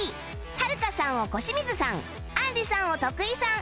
はるかさんを小清水さんあんりさんを徳井さん